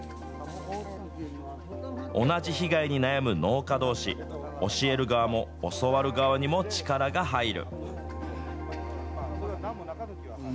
同じ被害に悩む農家どうし、教える側も教わる側にも力が入る。